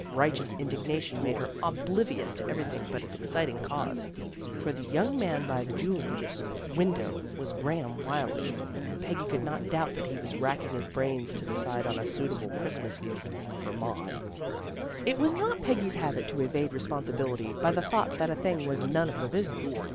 Righteous indignation made her oblivious to everything but its exci ting cause. For the young man by the jeweller's 192 THE GIRLS OF FRIENDLY TERRACE window was Graham Wylie, and Peggy could not doubt that he was racking his brains to decide on a suitable Christmas gift for Maud. It was not Peggy's habit to evade responsi bility by the thought that a thing was none of her business.